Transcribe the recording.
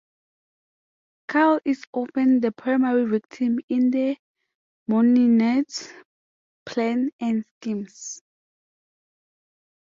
Carl is often the primary victim in The Mooninites' plans and schemes.